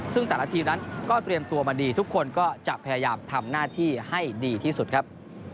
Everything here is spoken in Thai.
ซึ่งแต่ละทีมนั้นก็เตรียมตัวมาดีทุกคนก็จะพยายามทำหน้าที่ให้ดีที่สุดครับ